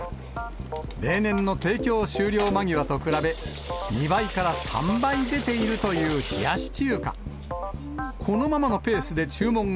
例年の提供終了間際と比べ２倍から３倍出ているという冷やし中華。